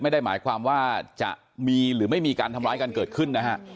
ไม่ได้หมายความว่าจะมีหรือไม่มีการทำร้ายกันเกิดขึ้นนะฮะ